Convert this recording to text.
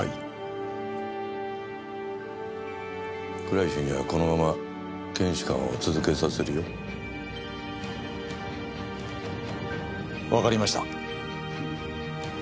倉石にはこのまま検視官を続けさせるよ。わかりました。